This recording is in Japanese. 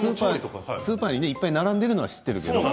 スーパーにねいっぱい並んでいるのは知ってるけどね。